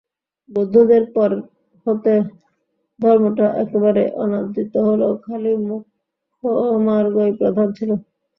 বৌদ্ধদের পর হতে ধর্মটা একেবারে অনাদৃত হল, খালি মোক্ষমার্গই প্রধান হল।